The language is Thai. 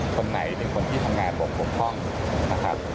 คนไหนเป็นคนที่ทำงานบกพร่องนะครับ